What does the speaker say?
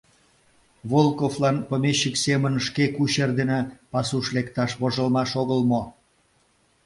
Волковлан помещик семын шке кучер дене пасуш лекташ вожылмаш огыл мо?